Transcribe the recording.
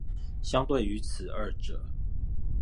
相對於此二者